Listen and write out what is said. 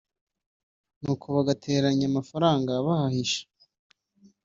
nuko bagateranya mafaranga bahahisha